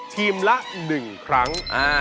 ทีมละ๑ครั้ง